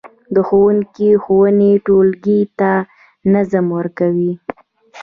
د ښوونکي ښوونې ټولګي ته نظم ورکوي.